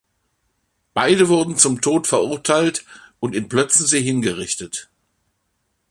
Beide wurden zum Tod verurteilt und in Plötzensee hingerichtet.